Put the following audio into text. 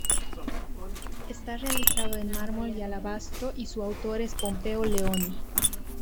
Está realizado en mármol y alabastro y su autor es Pompeo Leoni.